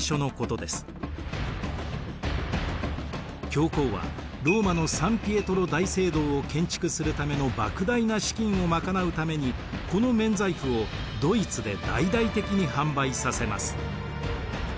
教皇はローマのサン・ピエトロ大聖堂を建築するためのばく大な資金を賄うためにこの免罪符をドイツで大々的に販売させます。